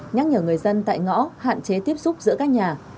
nhắc nhở người dân tại ngõ hạn chế tiếp xúc giữa các nhà